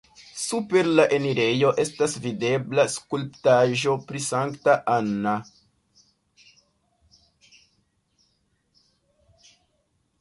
Super la enirejo estas videbla skulptaĵo pri Sankta Anna.